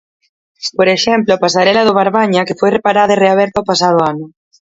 Por exemplo, a pasarela do Barbaña, que foi reparada e reaberta o pasado ano.